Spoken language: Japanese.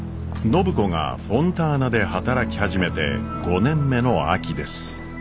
暢子がフォンターナで働き始めて５年目の秋です。